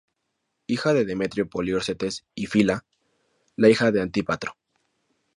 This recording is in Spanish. Hija de Demetrio Poliorcetes y Fila, la hija de Antípatro.